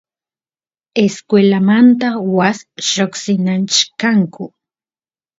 escuelamanta waas lloqsinachkanku